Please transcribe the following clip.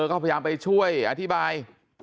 ก็พยายามไปช่วยอธิบาย